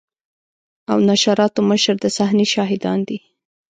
او نشراتو مشر د صحنې شاهدان دي.